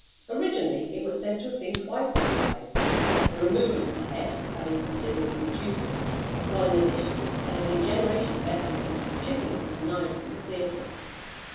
Originally it was said to have been twice that size, the removal of the "head" having considerably reduced it, while in addition there had been generations of Eskimo chipping it for knives and spear tips.